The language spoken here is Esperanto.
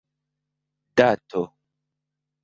dato